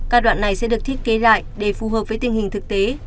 các đoạn này sẽ được thiết kế lại để phù hợp với tình hình thực tế